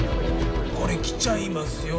これ来ちゃいますよ